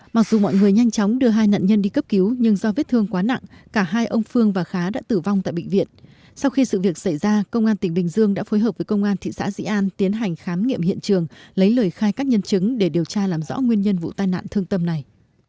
mặc dù mọi người nhanh chóng đưa hai nạn nhân đi cấp cứu nhưng do vết thương quá nặng cả hai ông phương và khá đã tử vong tại bệnh viện sau khi sự việc xảy ra công an tỉnh bình dương đã phối hợp với công an thị xã dĩ an tiến hành khám nghiệm hiện trường lấy lời khai các nhân chứng để điều tra làm rõ nguyên nhân vụ tai nạn thương tâm này